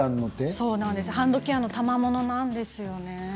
そうなんですハンドケアのたまものなんですよね。